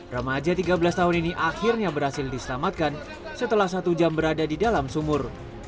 remaja tiga belas tahun ini akhirnya berhasil diselamatkan setelah satu jam berada di dalam sumur